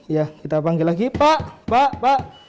ya kita panggil lagi pak pak pak